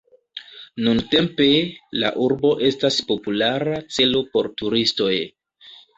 Nuntempe, la urbo estas populara celo por turistoj.